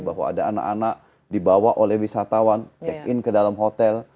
bahwa ada anak anak dibawa oleh wisatawan check in ke dalam hotel